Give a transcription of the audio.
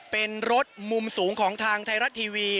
เป็นรถมุมสูงของทางไทยรัฐทีวี